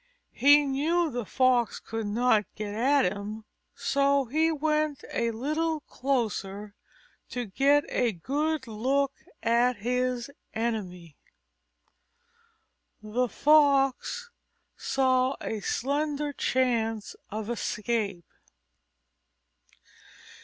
He knew the Fox could not get at him, so he went a little closer to get a good look at his enemy. The Fox saw a slender chance of escape.